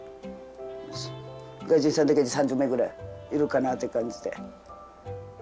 外人さんだけで３０名ぐらいいるかなって感じで。